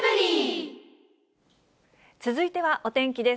続いてはお天気です。